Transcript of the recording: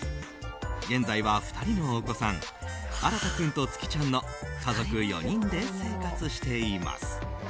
現在は２人のお子さん新君と月ちゃんの家族４人で生活しています。